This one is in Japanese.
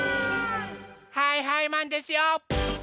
はいはいマンですよ！